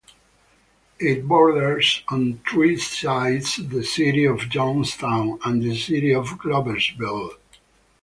It borders on three sides the city of Johnstown and the city of Gloversville.